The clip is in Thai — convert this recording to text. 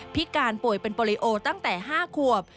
พิการป่วยเป็นโปรลิโอตั้งแต่๕ขวบ